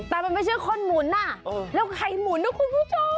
แต่มันไม่ใช่คนหมุนอ่ะแล้วใครหมุนนะคุณผู้ชม